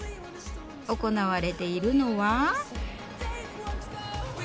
行われているのは。